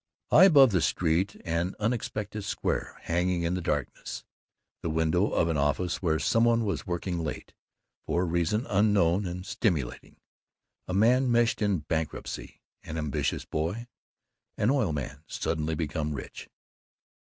High above the street, an unexpected square hanging in the darkness, the window of an office where some one was working late, for a reason unknown and stimulating. A man meshed in bankruptcy, an ambitious boy, an oil man suddenly become rich?